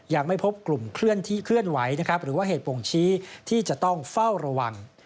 ยังไม่พบกลุ่มเคลื่อนไหวหรือว่าเหตุบ่งชี้ที่จะต้องเฝ้าระวัง